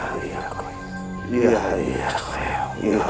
hingga tidak ada satu orang pun yang bisa mengalahkan aku